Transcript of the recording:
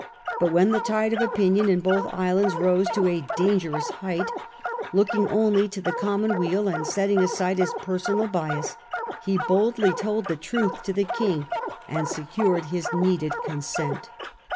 But when the N tide of opinion in both islands rose to a dangerous ^ height, looking only to the common weal and setting aside his personal bias, he boldly told the truth to the ^\« 1 King and secured his needed consent.